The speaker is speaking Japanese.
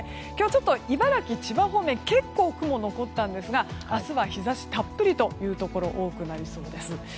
今日、茨城、千葉方面結構雲が残ったんですが明日は日差したっぷりのところが多くなりそうです。